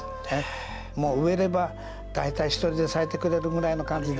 もう植えれば大体一人で咲いてくれるぐらいの感じですから。